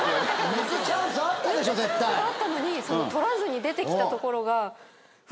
抜くチャンスがあったのに取らずに出てきたところが。